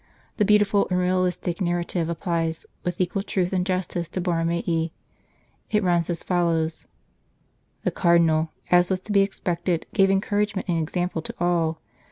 The beautiful and realistic narrative applies with 144 " The Plague of St. Charles " equal truth and justice to both Borromei. It runs as follows : "The Cardinal, as was to be expected, gave encouragement and example to all.